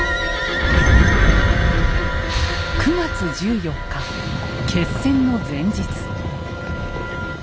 ９月１４日決戦の前日。